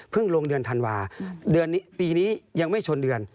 เพิ่งลงเดือนธันวาสปีนี้ยังไม่ชนเดือน